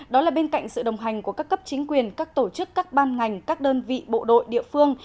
đó là bên cạnh sự đồng hành của các cấp chính quyền các tổ chức các ban ngành các đơn vị bộ đội địa phương